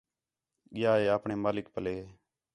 ڳِیا ہے آپݨے مالک پلّے